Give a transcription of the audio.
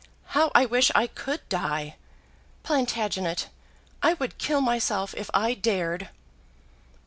How I wish I could die! Plantagenet, I would kill myself if I dared."